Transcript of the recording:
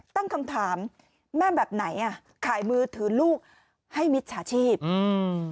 ตั้งคำถามแม่แบบไหนอ่ะขายมือถือลูกให้มิจฉาชีพอืม